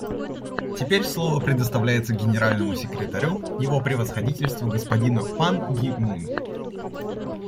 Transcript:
Теперь слово предоставляется Генеральному секретарю, Его Превосходительству господину Пан Ги Муну.